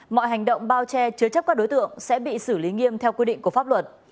mọi hành động bao che chứa chấp các đối tượng sẽ bị xử lý nghiêm theo quy định của pháp luật